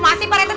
masih pak rete